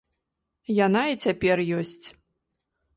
Яна і цяпер ёсць.